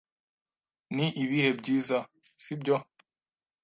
Ni ibihe byiza, sibyo?